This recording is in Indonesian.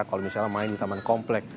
kalau misalnya main di taman komplek